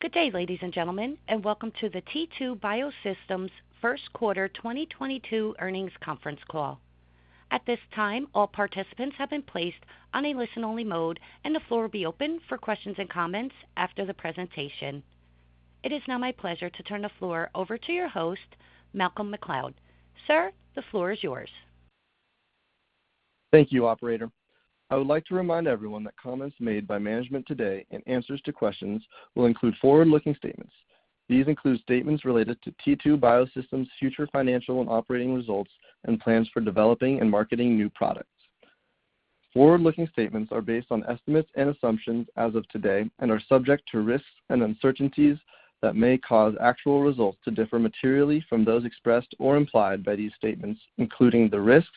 Good day, ladies and gentlemen, and welcome to the T2 Biosystems Q1 2022 earnings conference call. At this time, all participants have been placed on a listen-only mode, and the floor will be open for questions and comments after the presentation. It is now my pleasure to turn the floor over to your host, Malcolm MacLeod. Sir, the floor is yours. Thank you, operator. I would like to remind everyone that comments made by management today and answers to questions will include forward-looking statements. These include statements related to T2 Biosystems' future financial and operating results and plans for developing and marketing new products. Forward-looking statements are based on estimates and assumptions as of today and are subject to risks and uncertainties that may cause actual results to differ materially from those expressed or implied by these statements, including the risks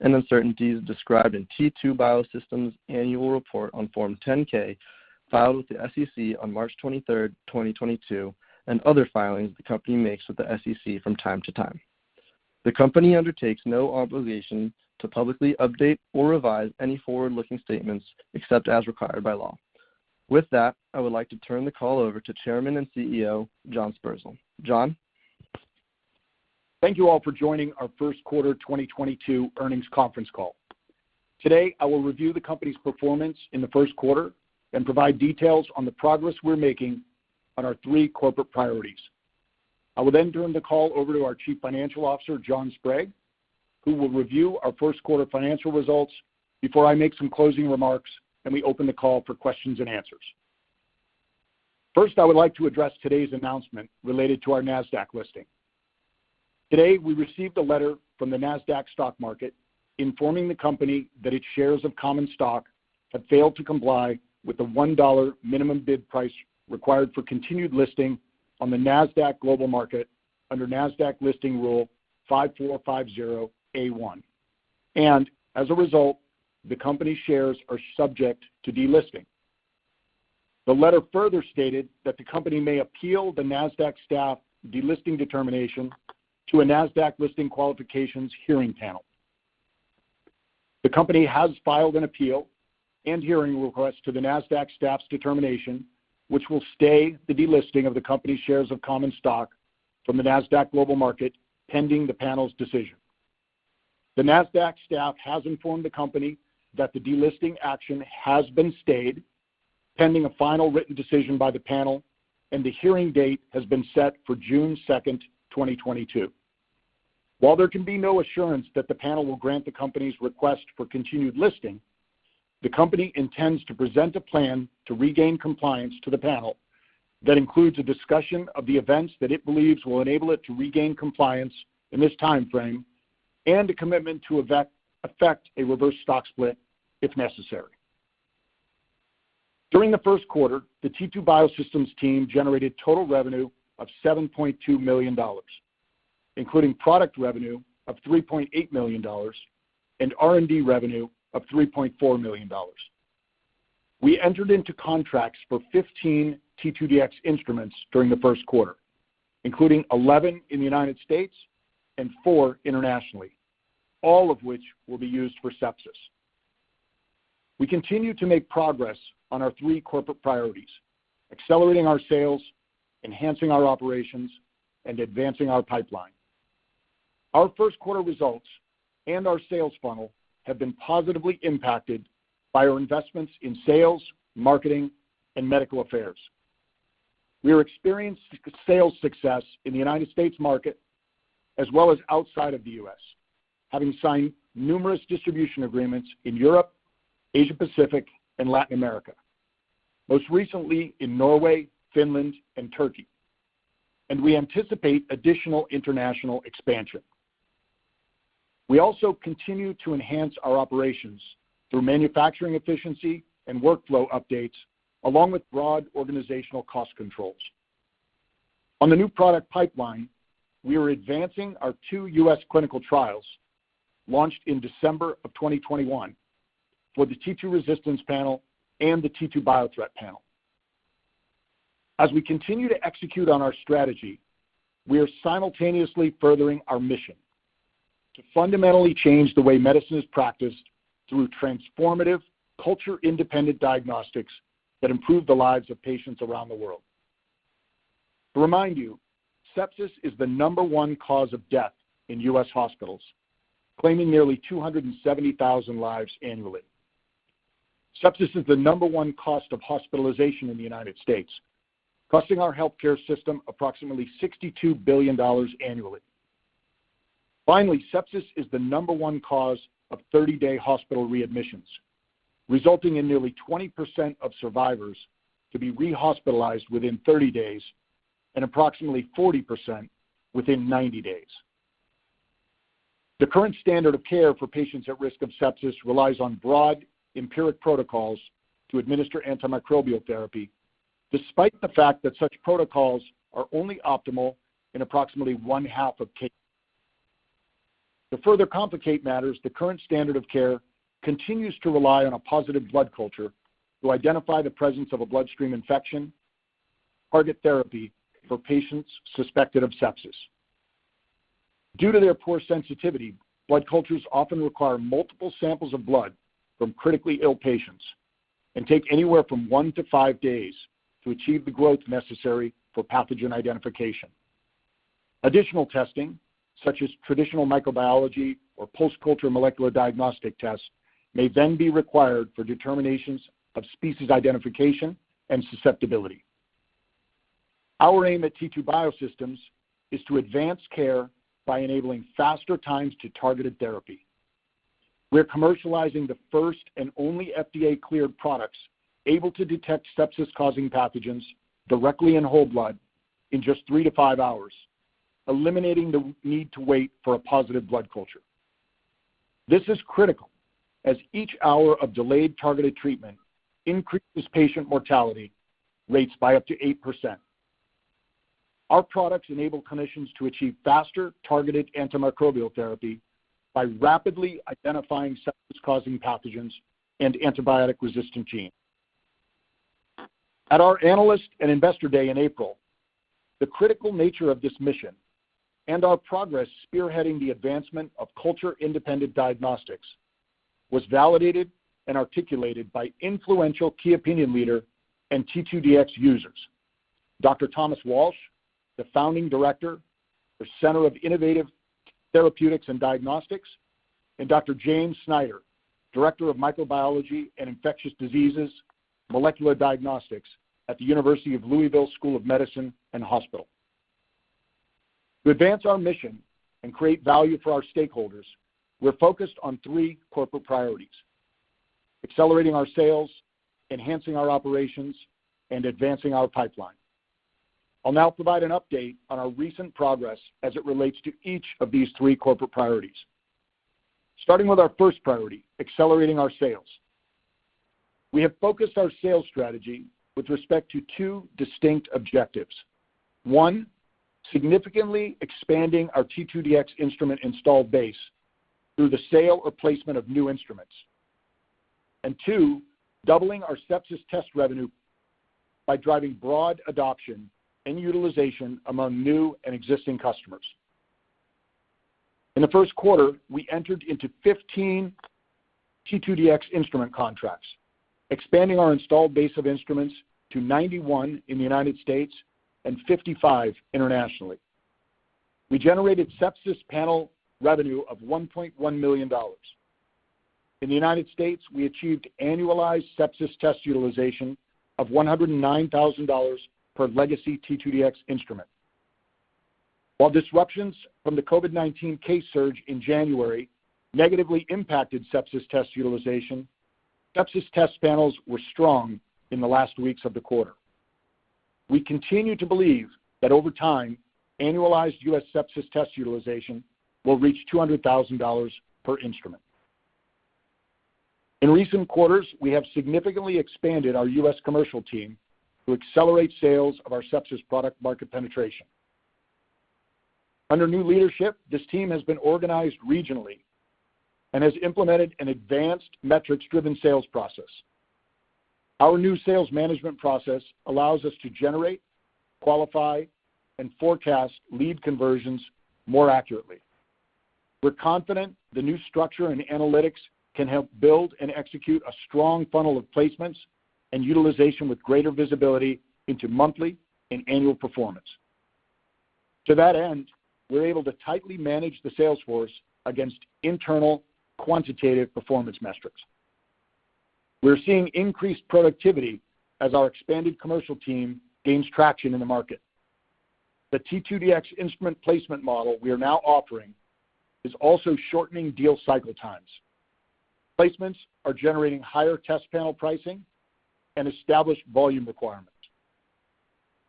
and uncertainties described in T2 Biosystems' annual report on Form 10-K filed with the SEC on March 23, 2022, and other filings the company makes with the SEC from time to time. The company undertakes no obligation to publicly update or revise any forward-looking statements except as required by law. With that, I would like to turn the call over to Chairman and CEO, John Sperzel. John. Thank you all for joining our Q1 2022 earnings conference call. Today, I will review the company's performance in the first quarter and provide details on the progress we're making on our three corporate priorities. I will then turn the call over to our Chief Financial Officer, John Sprague, who will review our Q1 financial results before I make some closing remarks, and we open the call for questions and answers. First, I would like to address today's announcement related to our NASDAQ listing. Today, we received a letter from the NASDAQ Stock Market informing the company that its shares of common stock have failed to comply with the $1 minimum bid price required for continued listing on the NASDAQ Global Market under NASDAQ Listing Rule 5450(a)(1). As a result, the company shares are subject to delisting. The letter further stated that the company may appeal the NASDAQ staff delisting determination to a NASDAQ Listing Qualifications Hearing Panel. The company has filed an appeal and hearing request to the NASDAQ staff's determination, which will stay the delisting of the company's shares of common stock from the NASDAQ Global Market pending the panel's decision. The NASDAQ staff has informed the company that the delisting action has been stayed pending a final written decision by the panel, and the hearing date has been set for June 2, 2022. While there can be no assurance that the panel will grant the company's request for continued listing, the company intends to present a plan to regain compliance to the panel that includes a discussion of the events that it believes will enable it to regain compliance in this timeframe and a commitment to effect a reverse stock split if necessary. During the Q1, the T2 Biosystems team generated total revenue of $7.2 million, including product revenue of $3.8 million and R&D revenue of $3.4 million. We entered into contracts for 15 T2Dx instruments during the Q1, including 11 in the United States and 4 internationally, all of which will be used for sepsis. We continue to make progress on our three corporate priorities, accelerating our sales, enhancing our operations, and advancing our pipeline. Our Q1 results and our sales funnel have been positively impacted by our investments in sales, marketing, and medical affairs. We are experiencing sales success in the United States market as well as outside of the U.S., having signed numerous distribution agreements in Europe, Asia Pacific, and Latin America, most recently in Norway, Finland, and Turkey. We anticipate additional international expansion. We also continue to enhance our operations through manufacturing efficiency and workflow updates, along with broad organizational cost controls. On the new product pipeline, we are advancing our two U.S. clinical trials launched in December 2021 for the T2Resistance Panel and the T2Biothreat Panel. As we continue to execute on our strategy, we are simultaneously furthering our mission to fundamentally change the way medicine is practiced through transformative culture-independent diagnostics that improve the lives of patients around the world. To remind you, sepsis is the number one cause of death in U.S. hospitals, claiming nearly 270,000 lives annually. Sepsis is the number one cause of hospitalization in the United States, costing our healthcare system approximately $62 billion annually. Finally, sepsis is the number one cause of 30-day hospital readmissions, resulting in nearly 20% of survivors to be rehospitalized within 30 days and approximately 40% within 90 days. The current standard of care for patients at risk of sepsis relies on broad empiric protocols to administer antimicrobial therapy despite the fact that such protocols are only optimal in approximately one-half of cases. To further complicate matters, the current standard of care continues to rely on a positive blood culture to identify the presence of a bloodstream infection, target therapy for patients suspected of sepsis. Due to their poor sensitivity, blood cultures often require multiple samples of blood from critically ill patients and take anywhere from 1-5 days to achieve the growth necessary for pathogen identification. Additional testing, such as traditional microbiology or post-culture molecular diagnostic tests, may then be required for determinations of species identification and susceptibility. Our aim at T2 Biosystems is to advance care by enabling faster times to targeted therapy. We're commercializing the first and only FDA-cleared products able to detect sepsis-causing pathogens directly in whole blood in just 3-5 hours, eliminating the need to wait for a positive blood culture. This is critical as each hour of delayed targeted treatment increases patient mortality rates by up to 8%. Our products enable clinicians to achieve faster targeted antimicrobial therapy by rapidly identifying sepsis-causing pathogens and antibiotic-resistant genes. At our Analyst and Investor Day in April, the critical nature of this mission and our progress spearheading the advancement of culture-independent diagnostics was validated and articulated by influential key opinion leader and T2Dx users, Dr. Thomas Walsh, the Founding Director for Center for Innovative Therapeutics and Diagnostics, and Dr. James Snyder, Director of Microbiology and Infectious Diseases Molecular Diagnostics at the University of Louisville School of Medicine and Hospital. To advance our mission and create value for our stakeholders, we're focused on three corporate priorities: accelerating our sales, enhancing our operations, and advancing our pipeline. I'll now provide an update on our recent progress as it relates to each of these three corporate priorities. Starting with our first priority, accelerating our sales. We have focused our sales strategy with respect to two distinct objectives. One, significantly expanding our T2Dx instrument installed base through the sale or placement of new instruments. And two, doubling our sepsis test revenue by driving broad adoption and utilization among new and existing customers. In the Q1, we entered into 15 T2Dx instrument contracts, expanding our installed base of instruments to 91 in the United States and 55 internationally. We generated sepsis panel revenue of $1.1 million. In the United States, we achieved annualized sepsis test utilization of $109,000 per legacy T2Dx instrument. While disruptions from the COVID-19 case surge in January negatively impacted sepsis test utilization, sepsis test panels were strong in the last weeks of the quarter. We continue to believe that over time, annualized US sepsis test utilization will reach $200,000 per instrument. In recent quarters, we have significantly expanded our U.S. commercial team to accelerate sales of our sepsis product market penetration. Under new leadership, this team has been organized regionally and has implemented an advanced metrics-driven sales process. Our new sales management process allows us to generate, qualify, and forecast lead conversions more accurately. We're confident the new structure and analytics can help build and execute a strong funnel of placements and utilization with greater visibility into monthly and annual performance. To that end, we're able to tightly manage the sales force against internal quantitative performance metrics. We're seeing increased productivity as our expanded commercial team gains traction in the market. The T2Dx instrument placement model we are now offering is also shortening deal cycle times. Placements are generating higher test panel pricing and established volume requirements.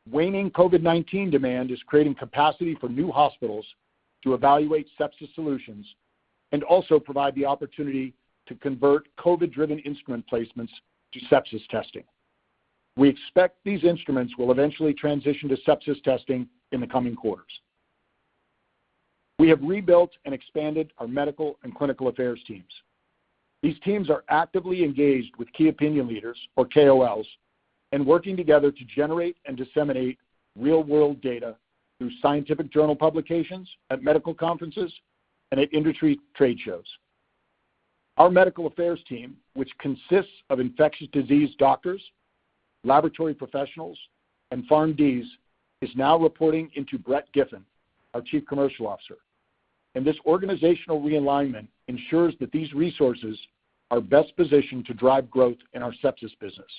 Waning COVID-19 demand is creating capacity for new hospitals to evaluate sepsis solutions and also provide the opportunity to convert COVID-driven instrument placements to sepsis testing. We expect these instruments will eventually transition to sepsis testing in the coming quarters. We have rebuilt and expanded our medical and clinical affairs teams. These teams are actively engaged with key opinion leaders or KOLs and working together to generate and disseminate real-world data through scientific journal publications at medical conferences and at industry trade shows. Our medical affairs team, which consists of infectious disease doctors, laboratory professionals, and PharmDs, is now reporting into Brett Giffin, our Chief Commercial Officer, and this organizational realignment ensures that these resources are best positioned to drive growth in our sepsis business.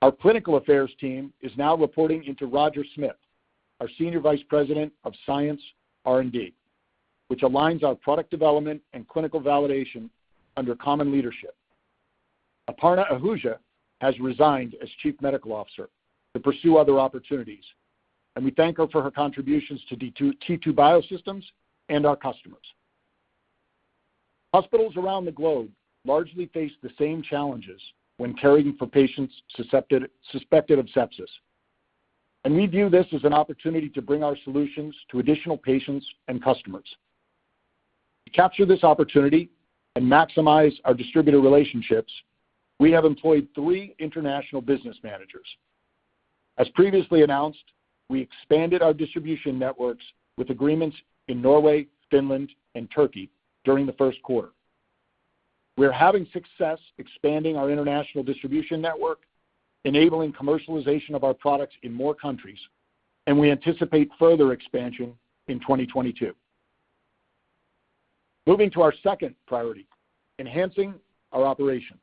Our clinical affairs team is now reporting into Roger Smith, our Senior Vice President of Science R&D, which aligns our product development and clinical validation under common leadership. Aparna Ahuja has resigned as Chief Medical Officer to pursue other opportunities, and we thank her for her contributions to T2 Biosystems and our customers. Hospitals around the globe largely face the same challenges when caring for patients suspected of sepsis, and we view this as an opportunity to bring our solutions to additional patients and customers. To capture this opportunity and maximize our distributor relationships, we have employed three international business managers. As previously announced, we expanded our distribution networks with agreements in Norway, Finland, and Turkey during the Q1. We are having success expanding our international distribution network, enabling commercialization of our products in more countries, and we anticipate further expansion in 2022. Moving to our second priority, enhancing our operations.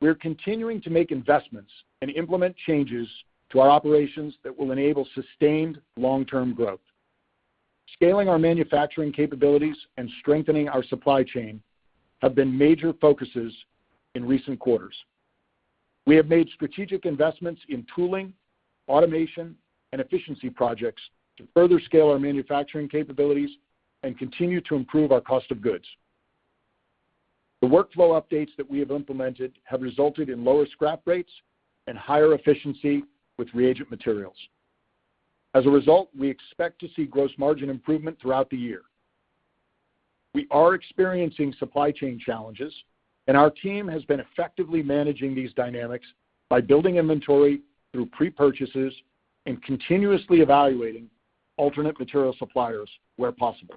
We're continuing to make investments and implement changes to our operations that will enable sustained long-term growth. Scaling our manufacturing capabilities and strengthening our supply chain have been major focuses in recent quarters. We have made strategic investments in tooling, automation, and efficiency projects to further scale our manufacturing capabilities and continue to improve our cost of goods. The workflow updates that we have implemented have resulted in lower scrap rates and higher efficiency with reagent materials. As a result, we expect to see gross margin improvement throughout the year. We are experiencing supply chain challenges, and our team has been effectively managing these dynamics by building inventory through pre-purchases and continuously evaluating alternate material suppliers where possible.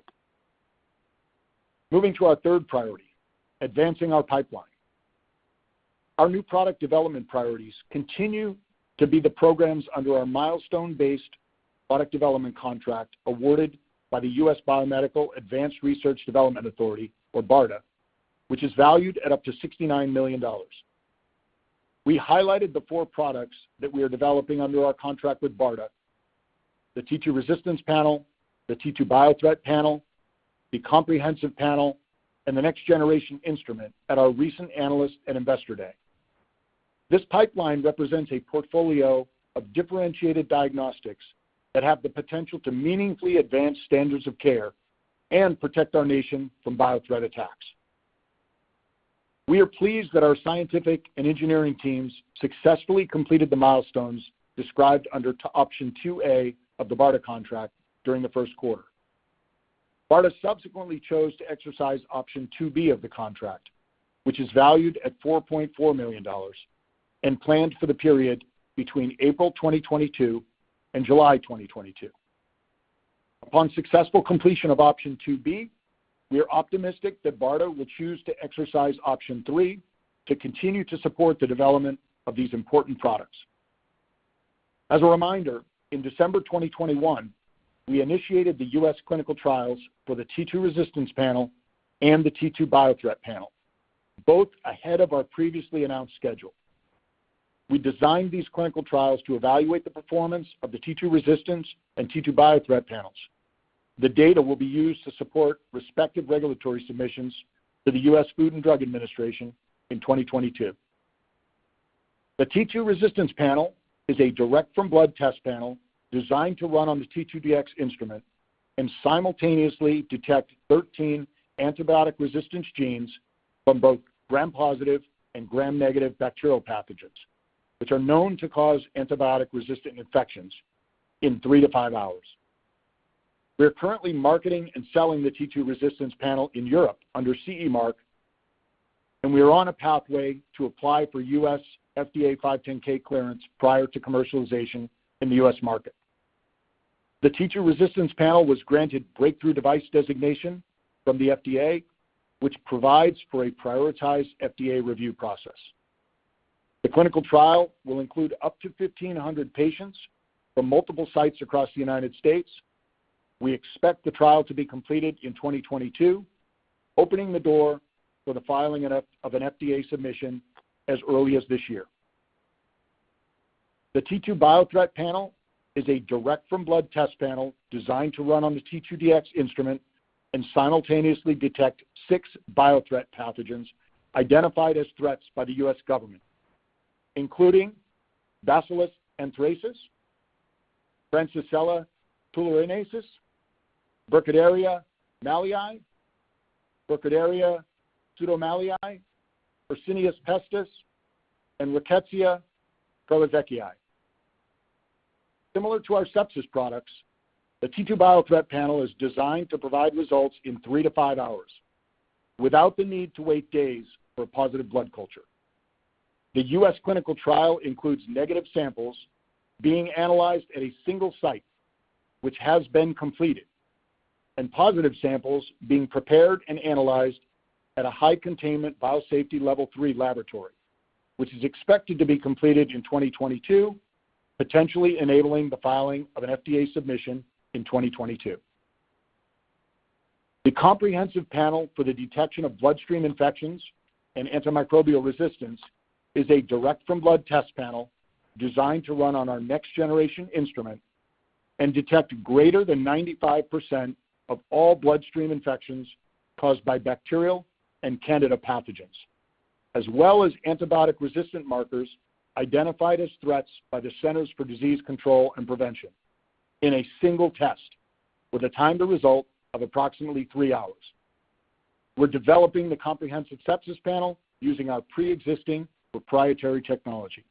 Moving to our third priority, advancing our pipeline. Our new product development priorities continue to be the programs under our milestone-based product development contract awarded by the U.S. Biomedical Advanced Research and Development Authority, or BARDA, which is valued at up to $69 million. We highlighted the four products that we are developing under our contract with BARDA, the T2Resistance Panel, the T2Biothreat Panel, the comprehensive panel, and the next-generation instrument at our recent Analyst and Investor Day. This pipeline represents a portfolio of differentiated diagnostics that have the potential to meaningfully advance standards of care and protect our nation from bio-threat attacks. We are pleased that our scientific and engineering teams successfully completed the milestones described under option two A of the BARDA contract during the Q1. BARDA subsequently chose to exercise option two B of the contract, which is valued at $4.4 million and planned for the period between April 2022 and July 2022. Upon successful completion of option two B, we are optimistic that BARDA will choose to exercise option three to continue to support the development of these important products. As a reminder, in December 2021, we initiated the U.S. clinical trials for the T2Resistance Panel and the T2Biothreat Panel, both ahead of our previously announced schedule. We designed these clinical trials to evaluate the performance of the T2Resistance and T2Biothreat Panels. The data will be used to support respective regulatory submissions to the U.S. Food and Drug Administration in 2022. The T2Resistance Panel is a direct from blood test panel designed to run on the T2Dx instrument and simultaneously detect 13 antibiotic resistance genes from both gram-positive and gram-negative bacterial pathogens, which are known to cause antibiotic-resistant infections in 3-5 hours. We are currently marketing and selling the T2Resistance Panel in Europe under CE mark, and we are on a pathway to apply for U.S. FDA 510(k) clearance prior to commercialization in the U.S. market. The T2Resistance Panel was granted Breakthrough Device designation from the FDA, which provides for a prioritized FDA review process. The clinical trial will include up to 1,500 patients from multiple sites across the United States. We expect the trial to be completed in 2022, opening the door for the filing of an FDA submission as early as this year. The T2Biothreat Panel is a direct from blood test panel designed to run on the T2Dx instrument and simultaneously detect six biothreat pathogens identified as threats by the U.S. government, including Bacillus anthracis, Francisella tularensis, Burkholderia mallei, Burkholderia pseudomallei, Yersinia pestis, and Rickettsia prowazekii. Similar to our sepsis products, the T2Biothreat Panel is designed to provide results in 3-5 hours without the need to wait days for a positive blood culture. The U.S. clinical trial includes negative samples being analyzed at a single site, which has been completed, and positive samples being prepared and analyzed at a high-containment biosafety level three laboratory, which is expected to be completed in 2022, potentially enabling the filing of an FDA submission in 2022. The comprehensive panel for the detection of bloodstream infections and antimicrobial resistance is a direct from blood test panel designed to run on our next-generation instrument and detect greater than 95% of all bloodstream infections caused by bacterial and Candida pathogens, as well as antibiotic-resistant markers identified as threats by the Centers for Disease Control and Prevention in a single test with a time to result of approximately 3 hours. We're developing the comprehensive sepsis panel using our preexisting proprietary technology.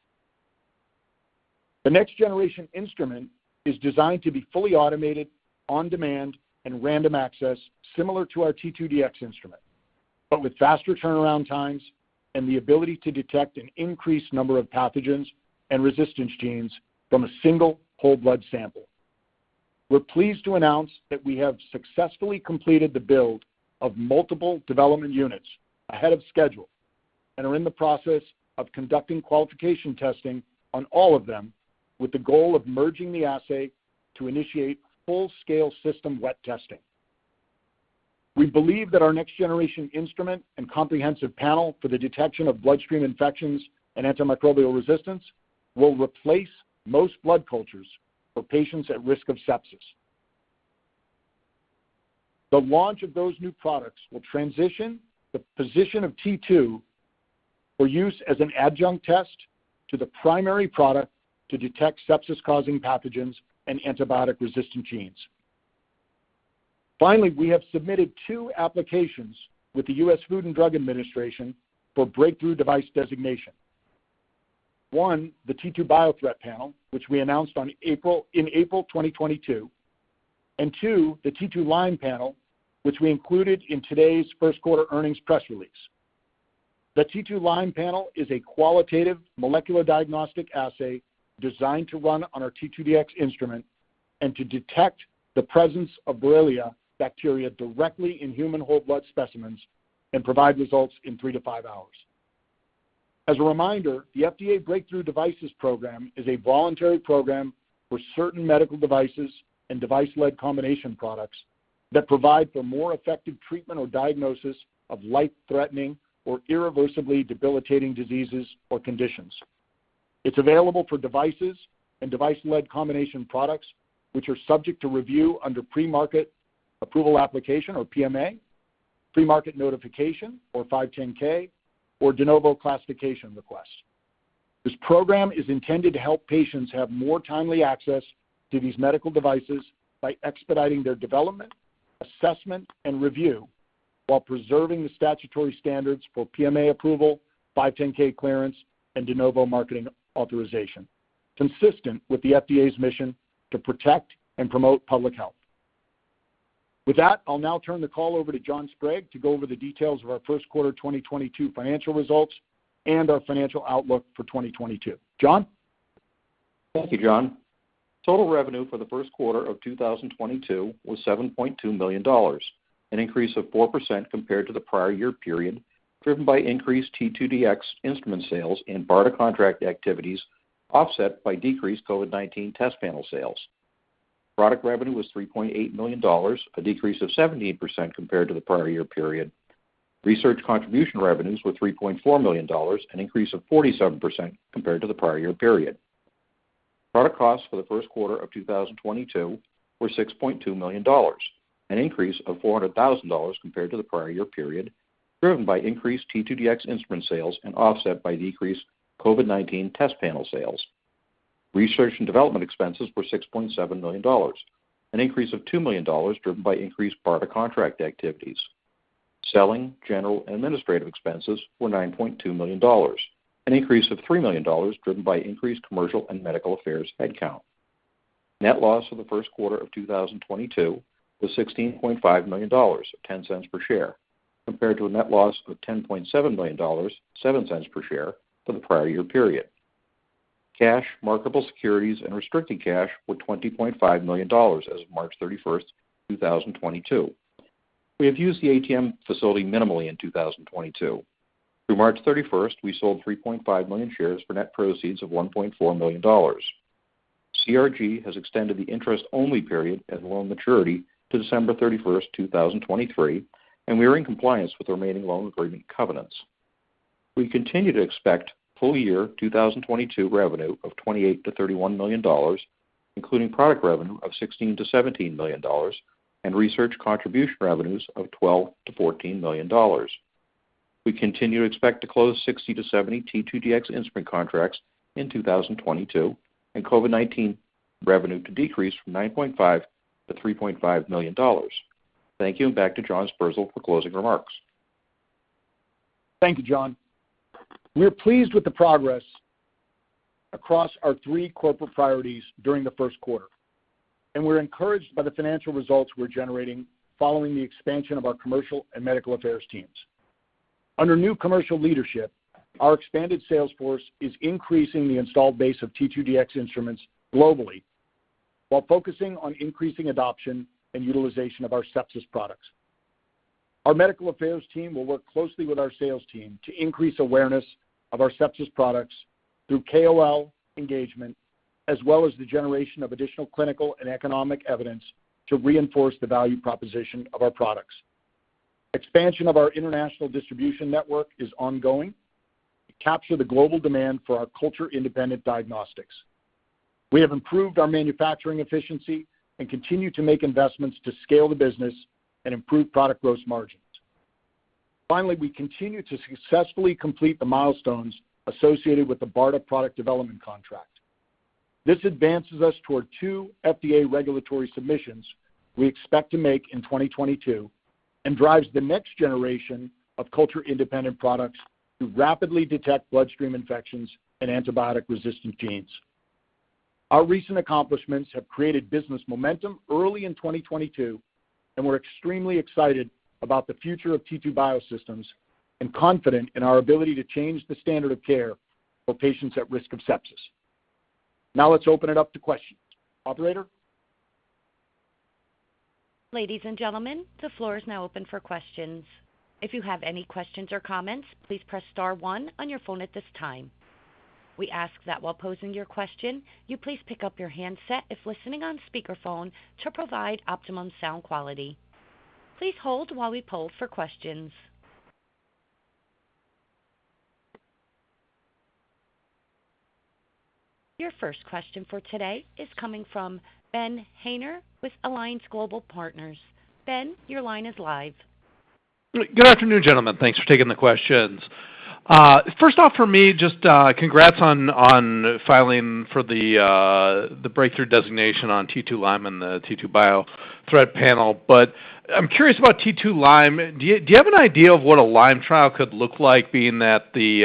The next generation instrument is designed to be fully automated, on-demand, and random access, similar to our T2Dx instrument, but with faster turnaround times and the ability to detect an increased number of pathogens and resistance genes from a single whole blood sample. We're pleased to announce that we have successfully completed the build of multiple development units ahead of schedule and are in the process of conducting qualification testing on all of them with the goal of merging the assay to initiate full-scale system wet testing. We believe that our next-generation instrument and comprehensive panel for the detection of bloodstream infections and antimicrobial resistance will replace most blood cultures for patients at risk of sepsis. The launch of those new products will transition the position of T2 for use as an adjunct test to the primary product to detect sepsis-causing pathogens and antibiotic resistance genes. Finally, we have submitted two applications with the U.S. Food and Drug Administration for Breakthrough Device designation. One, the T2Biothreat Panel, which we announced in April 2022, and two, the T2Lyme Panel, which we included in today's Q1 earnings press release. The T2Lyme Panel is a qualitative molecular diagnostic assay designed to run on our T2Dx instrument and to detect the presence of Borrelia bacteria directly in human whole blood specimens and provide results in 3-5 hours. As a reminder, the FDA Breakthrough Devices Program is a voluntary program for certain medical devices and device-led combination products that provide for more effective treatment or diagnosis of life-threatening or irreversibly debilitating diseases or conditions. It's available for devices and device-led combination products which are subject to review under Premarket Approval Application or PMA, Premarket Notification or 510(k), or De Novo classification request. This program is intended to help patients have more timely access to these medical devices by expediting their development, assessment, and review while preserving the statutory standards for PMA approval, 510(k) clearance, and De Novo marketing authorization, consistent with the FDA's mission to protect and promote public health. With that, I'll now turn the call over to John Sprague to go over the details of our Q1 2022 financial results and our financial outlook for 2022. John? Thank you, John. Total revenue for the Q1 of 2022 was $7.2 million, an increase of 4% compared to the prior year period, driven by increased T2Dx instrument sales and BARDA contract activities, offset by decreased COVID-19 test panel sales. Product revenue was $3.8 million, a decrease of 17% compared to the prior year period. Research contribution revenues were $3.4 million, an increase of 47% compared to the prior year period. Product costs for the Q1 of 2022 were $6.2 million, an increase of $400,000 compared to the prior year period, driven by increased T2Dx instrument sales and offset by decreased COVID-19 test panel sales. Research and development expenses were $6.7 million, an increase of $2 million driven by increased BARDA contract activities. Selling, general, and administrative expenses were $9.2 million, an increase of $3 million driven by increased commercial and medical affairs headcount. Net loss for the Q1 of 2022 was $16.5 million, $0.10 per share, compared to a net loss of $10.7 million, $0.07 per share for the prior year period. Cash, marketable securities, and restricted cash were $20.5 million as of March 31, 2022. We have used the ATM facility minimally in 2022. Through March 31, we sold 3.5 million shares for net proceeds of $1.4 million. CRG has extended the interest-only period and loan maturity to December 31, 2023, and we are in compliance with the remaining loan agreement covenants. We continue to expect full year 2022 revenue of $28 million-$31 million, including product revenue of $16 million-$17 million and research contribution revenues of $12 million-$14 million. We continue to expect to close 60-70 T2Dx instrument contracts in 2022, and COVID-19 revenue to decrease from $9.5 million-$3.5 million. Thank you, and back to John Sperzel for closing remarks. Thank you, John. We are pleased with the progress across our three corporate priorities during the Q1, and we're encouraged by the financial results we're generating following the expansion of our commercial and medical affairs teams. Under new commercial leadership, our expanded sales force is increasing the installed base of T2Dx instruments globally while focusing on increasing adoption and utilization of our sepsis products. Our medical affairs team will work closely with our sales team to increase awareness of our sepsis products through KOL engagement, as well as the generation of additional clinical and economic evidence to reinforce the value proposition of our products. Expansion of our international distribution network is ongoing to capture the global demand for our culture-independent diagnostics. We have improved our manufacturing efficiency and continue to make investments to scale the business and improve product gross margins. Finally, we continue to successfully complete the milestones associated with the BARDA product development contract. This advances us toward 2 FDA regulatory submissions we expect to make in 2022 and drives the next generation of culture-independent products to rapidly detect bloodstream infections and antibiotic resistance genes. Our recent accomplishments have created business momentum early in 2022, and we're extremely excited about the future of T2 Biosystems and confident in our ability to change the standard of care for patients at risk of sepsis. Now let's open it up to questions. Operator? Ladies and gentlemen, the floor is now open for questions. If you have any questions or comments, please press star one on your phone at this time. We ask that while posing your question, you please pick up your handset if listening on speakerphone to provide optimum sound quality. Please hold while we poll for questions. Your first question for today is coming from Ben Haynor with Alliance Global Partners. Ben, your line is live. Good afternoon, gentlemen. Thanks for taking the questions. First off for me, just congrats on filing for the Breakthrough Device designation on T2Lyme and the T2Biothreat Panel. I'm curious about T2Lyme. Do you have an idea of what a Lyme trial could look like being that the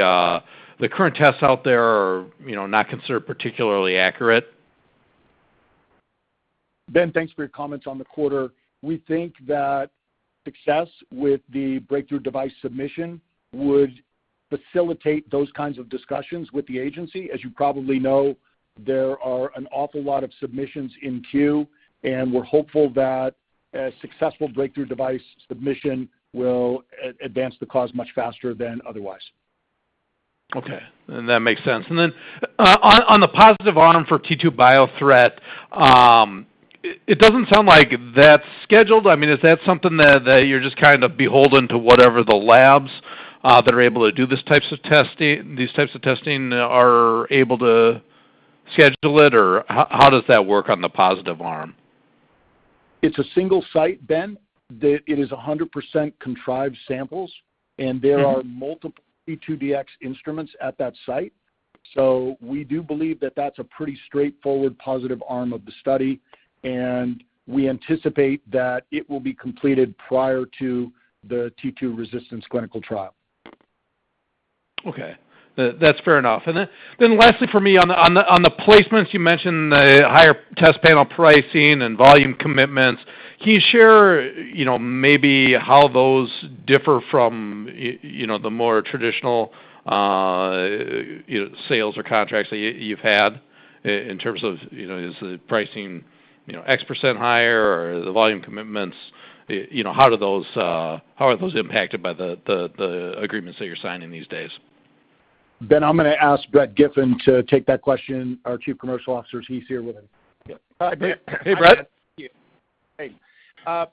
current tests out there are, you know, not considered particularly accurate? Ben, thanks for your comments on the quarter. We think that success with the Breakthrough Device submission would facilitate those kinds of discussions with the agency. As you probably know, there are an awful lot of submissions in queue, and we're hopeful that a successful Breakthrough Device submission will advance the cause much faster than otherwise. Okay. That makes sense. On the positive arm for T2Biothreat, it doesn't sound like that's scheduled. I mean, is that something that you're just kind of beholden to whatever the labs that are able to do these types of testing are able to schedule it? Or how does that work on the positive arm? It's a single site, Ben. It is 100% contrived samples, and there are multiple T2Dx instruments at that site. We do believe that that's a pretty straightforward positive arm of the study, and we anticipate that it will be completed prior to the T2Resistance clinical trial. Okay. That's fair enough. Lastly for me on the placements, you mentioned the higher test panel pricing and volume commitments. Can you share, you know, maybe how those differ from you know, the more traditional, you know, sales or contracts that you've had in terms of, you know, is the pricing, you know, X% higher or the volume commitments? You know, how are those impacted by the agreements that you're signing these days? Ben, I'm gonna ask Brett Giffin to take that question, our Chief Commercial Officer, as he's here with me. Yeah. Hi, Brett. Hey, Brett. Thank you. Hey. I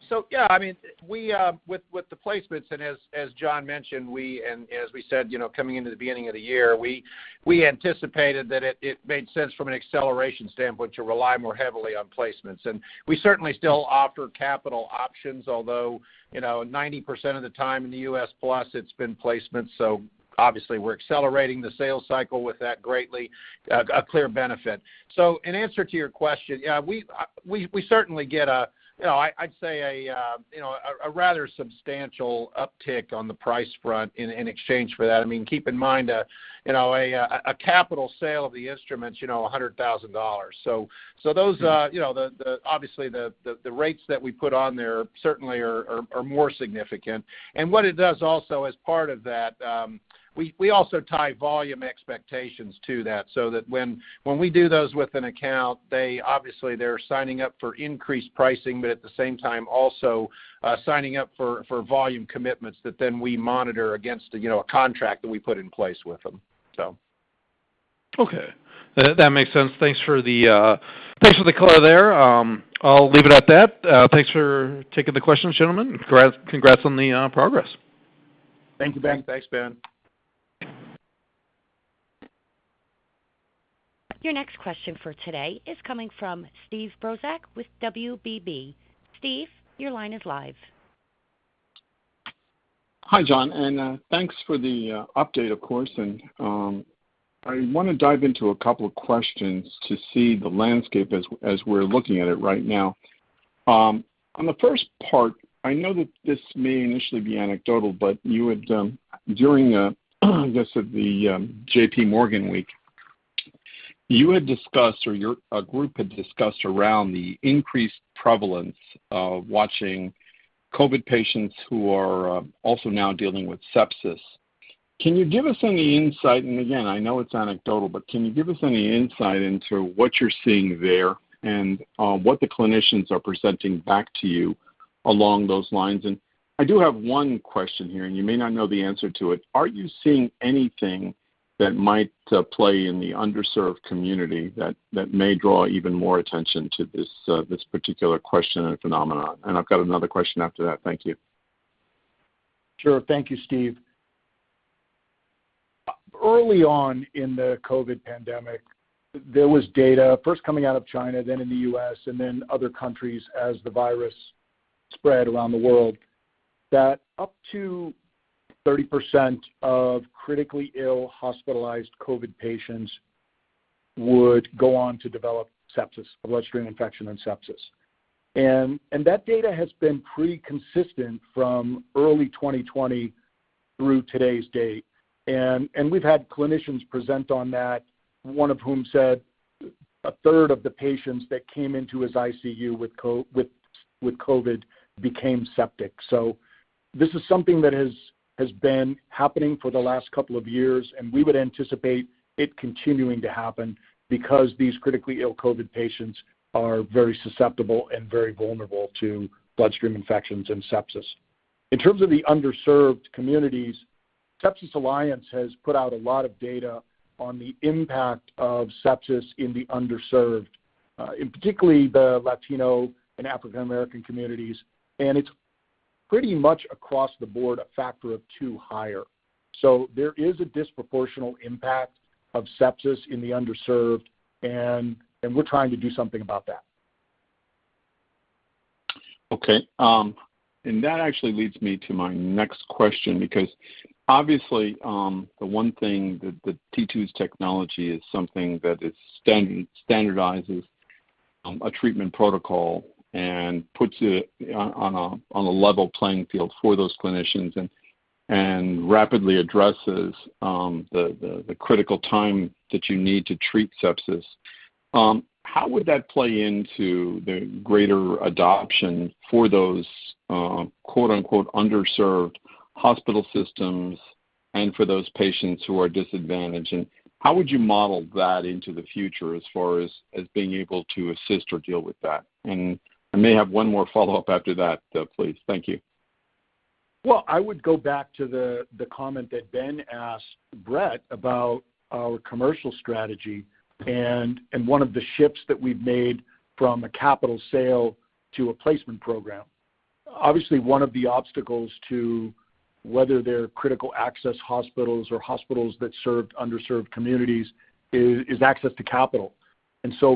mean, we with the placements and as John mentioned, we and as we said, you know, coming into the beginning of the year, we anticipated that it made sense from an acceleration standpoint to rely more heavily on placements. We certainly still offer capital options, although, you know, 90% of the time in the U.S. plus it's been placements. Obviously we're accelerating the sales cycle with that greatly, a clear benefit. In answer to your question, yeah, we certainly get a, you know, I'd say a rather substantial uptick on the price front in exchange for that. I mean, keep in mind, you know, a capital sale of the instrument is, you know, $100,000. Those, you know, the obviously the rates that we put on there certainly are more significant. What it does also as part of that, we also tie volume expectations to that so that when we do those with an account, they obviously they're signing up for increased pricing, but at the same time also, signing up for volume commitments that then we monitor against, you know, a contract that we put in place with them. Okay. That makes sense. Thanks for the color there. I'll leave it at that. Thanks for taking the questions, gentlemen. Congrats on the progress. Thank you, Ben. Thanks, Ben. Your next question for today is coming from Steve Brozak with WBB. Steve, your line is live. Hi, John. Thanks for the update, of course. I wanna dive into a couple of questions to see the landscape as we're looking at it right now. On the first part, I know that this may initially be anecdotal, but you had, during, I guess, at the, JPMorgan week, you had discussed or a group had discussed around the increased prevalence of watching COVID patients who are, also now dealing with sepsis. Can you give us any insight, and again, I know it's anecdotal, but can you give us any insight into what you're seeing there and, what the clinicians are presenting back to you along those lines? I do have one question here, and you may not know the answer to it. Are you seeing anything that might play in the underserved community that may draw even more attention to this particular question and phenomenon? I've got another question after that. Thank you. Sure. Thank you, Steve. Early on in the COVID pandemic, there was data first coming out of China, then in the U.S., and then other countries as the virus spread around the world, that up to 30% of critically ill hospitalized COVID patients would go on to develop sepsis, bloodstream infection and sepsis. That data has been pretty consistent from early 2020 through today's date. We've had clinicians present on that, one of whom said a third of the patients that came into his ICU with COVID became septic. This is something that has been happening for the last couple of years, and we would anticipate it continuing to happen because these critically ill COVID patients are very susceptible and very vulnerable to bloodstream infections and sepsis. In terms of the underserved communities, Sepsis Alliance has put out a lot of data on the impact of sepsis in the underserved, particularly in the Latino and African American communities. It's pretty much across the board, a factor of two higher. There is a disproportionate impact of sepsis in the underserved, and we're trying to do something about that. Okay, that actually leads me to my next question because obviously, the one thing that T2's technology is something that is standardizes a treatment protocol and puts it on a level playing field for those clinicians and rapidly addresses the critical time that you need to treat sepsis. How would that play into the greater adoption for those quote-unquote "underserved hospital systems" and for those patients who are disadvantaged? How would you model that into the future as far as being able to assist or deal with that? I may have one more follow-up after that, though, please. Thank you. Well, I would go back to the comment that Ben Haynor asked Brett Giffin about our commercial strategy and one of the shifts that we've made from a capital sale to a placement program. Obviously, one of the obstacles to whether they're critical access hospitals or hospitals that serve underserved communities is access to capital.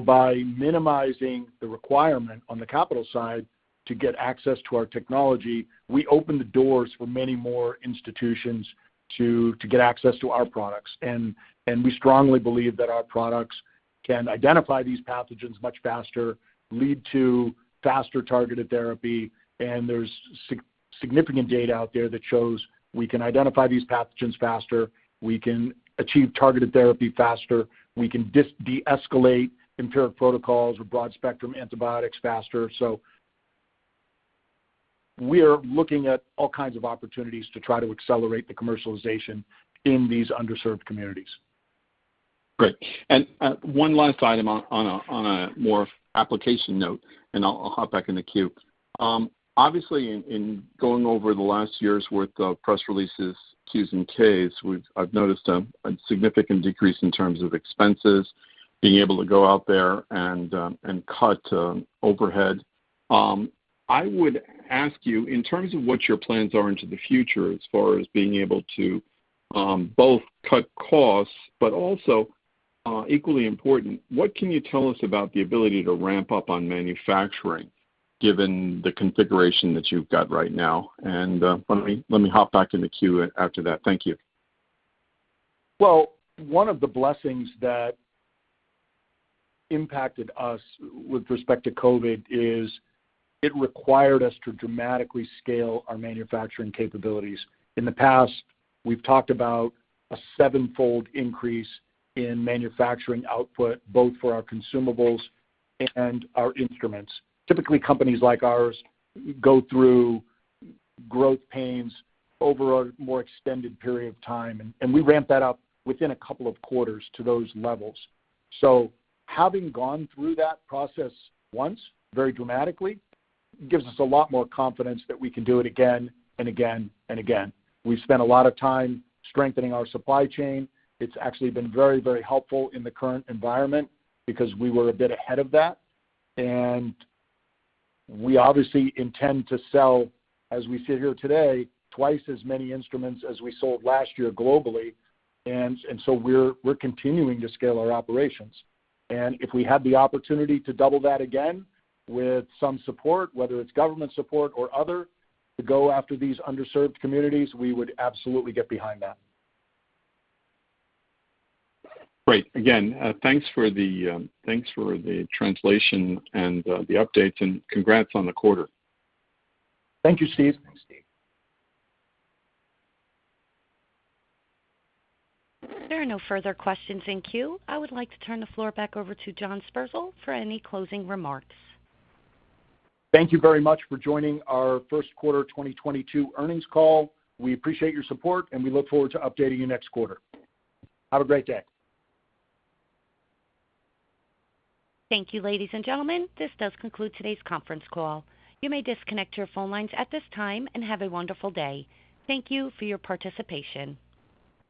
By minimizing the requirement on the capital side to get access to our technology, we open the doors for many more institutions to get access to our products. We strongly believe that our products can identify these pathogens much faster, lead to faster targeted therapy, and there's significant data out there that shows we can identify these pathogens faster, we can achieve targeted therapy faster, we can deescalate empiric protocols with broad-spectrum antibiotics faster. We're looking at all kinds of opportunities to try to accelerate the commercialization in these underserved communities. Great. One last item on a more application note, and I'll hop back in the queue. Obviously in going over the last year's worth of press releases, Qs, and Ks, I've noticed a significant decrease in terms of expenses, being able to go out there and cut overhead. I would ask you, in terms of what your plans are into the future as far as being able to both cut costs, but also equally important, what can you tell us about the ability to ramp up on manufacturing given the configuration that you've got right now. Let me hop back in the queue after that. Thank you. Well, one of the blessings that impacted us with respect to COVID is it required us to dramatically scale our manufacturing capabilities. In the past, we've talked about a seven-fold increase in manufacturing output, both for our consumables and our instruments. Typically, companies like ours go through growth pains over a more extended period of time, and we ramp that up within a couple of quarters to those levels. Having gone through that process once very dramatically gives us a lot more confidence that we can do it again and again and again. We've spent a lot of time strengthening our supply chain. It's actually been very, very helpful in the current environment because we were a bit ahead of that. We obviously intend to sell, as we sit here today, twice as many instruments as we sold last year globally and so we're continuing to scale our operations. If we had the opportunity to double that again with some support, whether it's government support or other, to go after these underserved communities, we would absolutely get behind that. Great. Again, thanks for the translation and the updates, and congrats on the quarter. Thank you, Steve. Thanks, Steve. There are no further questions in queue. I would like to turn the floor back over to John Sperzel for any closing remarks. Thank you very much for joining our Q1 2022 earnings call. We appreciate your support, and we look forward to updating you next quarter. Have a great day. Thank you, ladies and gentlemen. This does conclude today's conference call. You may disconnect your phone lines at this time and have a wonderful day. Thank you for your participation.